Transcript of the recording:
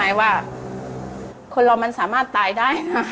อยากให้ลูกค้ารู้ว่า